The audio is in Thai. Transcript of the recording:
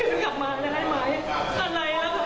หนูก็อยากทัดค้ารการประการตัว